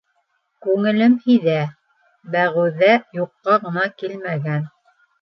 Күңелем һиҙә, Бәғүзә юҡҡа ғына килмәгән...